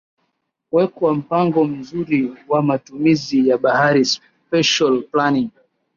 Kuwekwa mpango mzuri wa matumizi ya bahari Special planning